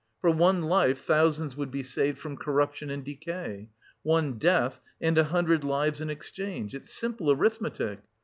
For one life thousands would be saved from corruption and decay. One death, and a hundred lives in exchange it's simple arithmetic!